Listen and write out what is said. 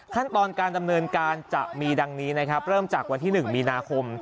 ขั้นตอนการดำเนินการจะมีดังนี้นะครับเริ่มจากวันที่๑มีนาคม